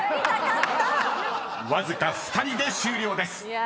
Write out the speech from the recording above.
［わずか２人で終了です］